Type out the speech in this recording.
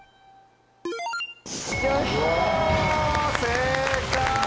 正解！